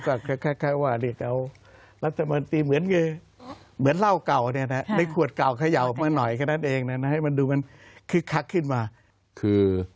ก็แค่ว่าเรียกเอารัฐบาลตีเหมือนเงย